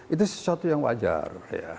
itu sesuatu yang wajar